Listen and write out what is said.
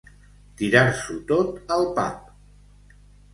Tirar-s'ho tot al pap.